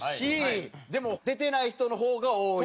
でも出てない人の方が多い。